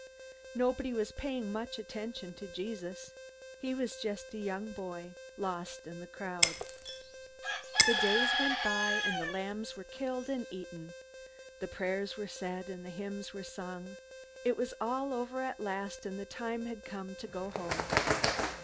Nobody was paying much attention to Jesus. He was just a young boy, lost in the crowd. The days went by, and the lambs were killed and eaten. The prayers were said and the hymns were sung. It was all over at last, and the time had come to go home.